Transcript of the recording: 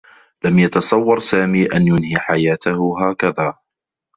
لم يتصوّر سامي أن ينهي حياته هكذا.